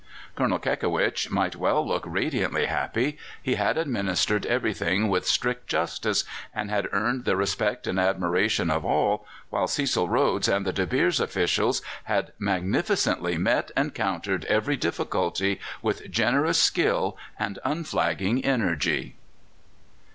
Colonel Kekewich might well look radiantly happy; he had administered everything with strict justice, and had earned the respect and admiration of all, while Cecil Rhodes and the De Beers officials had magnificently met and countered every difficulty with generous skill and unflagging energy.